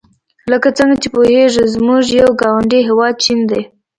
لکه څنګه چې پوهیږئ زموږ یو ګاونډي هېواد چین دی.